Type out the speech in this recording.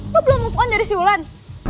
lo belum move on dari si ulan